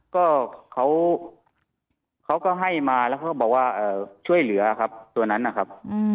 ก็เขาเขาก็ให้มาแล้วก็บอกว่าช่วยด้วยนะครับ